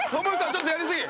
ちょっとやり過ぎ。